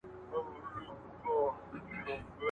کوټ کوټ دلته کوي، هگۍ بل ځاى اچوي.